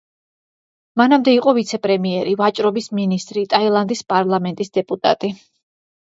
მანამდე იყო ვიცე-პრემიერი, ვაჭრობის მინისტრი, ტაილანდის პარლამენტის დეპუტატი.